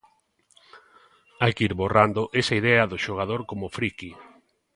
Hai que ir borrando esa idea do xogador como friqui.